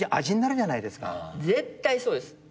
絶対そうです。